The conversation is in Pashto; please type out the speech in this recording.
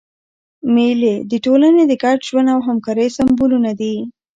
مېلې د ټولني د ګډ ژوند او همکارۍ سېمبولونه دي.